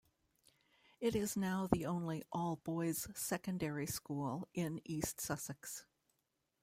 It is now the only all-boys secondary school in East Sussex.